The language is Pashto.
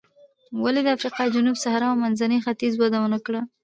ولې د افریقا جنوبي صحرا او منځني ختیځ وده ونه کړه.